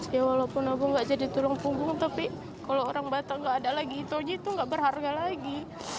ya walaupun abang gak jadi tulang punggung tapi kalau orang batang gak ada lagi itu aja itu gak berharga lagi